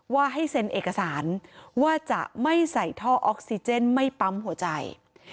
ว่าให้เซ็นเอกสารว่าจะไม่ใส่ท่อออกซิเจนไม่ปั๊มหัวใจ